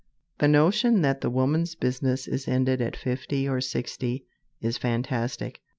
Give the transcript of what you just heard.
The notion that the woman's business is ended at fifty or sixty is fantastic.